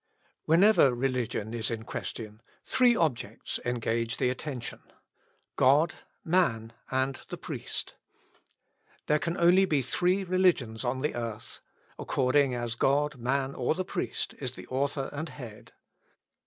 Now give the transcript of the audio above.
Whenever religion is in question, three objects engage the attention God, man, and the priest. There can only be three religions on the earth, according as God, man, or the priest, is the author and head.